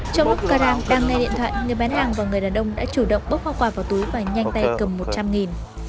trong lúc caran đang nghe điện thoại người bán hàng và người đàn ông đã chủ động bốc hoa quả vào túi và nhanh tay cầm một trăm linh